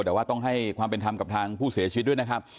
แต่ว่าต้องให้ความเป็นธรรมกับทางผู้เสียชีวิตด้วยนะครับ